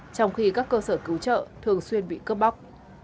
trong khi các cơ sở cứu trợ thường xuyên bị cướp bóc